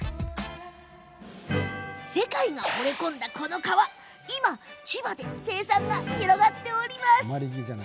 世界がほれ込んだこの革、今千葉で生産が広がっているんです。